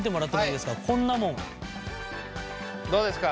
どうですか？